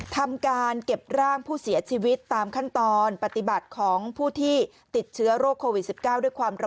ทำการเก็บร่างผู้เสียชีวิตตามขั้นตอนปฏิบัติของผู้ที่ติดเชื้อโรคโควิด๑๙ด้วยความระ